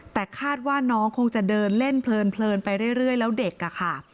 แต่คาดว่าน้องคงจะเดินเล่นเพลินไปเรื่อยแล้วเด็กอะค่ะ